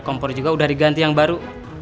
kompor juga udah diganti yang baru